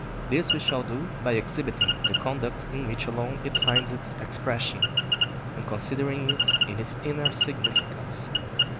This we shall do by exhibiting the conduct in which alone it finds its expression, and considering it in its inner significance.